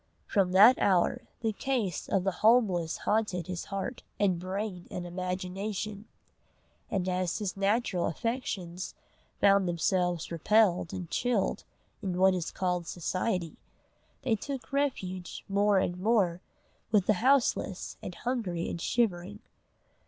From that hour the case of the homeless haunted his heart and brain and imagination; and as his natural affections found themselves repelled and chilled in what is called Society, they took refuge more and more with the houseless and hungry and shivering.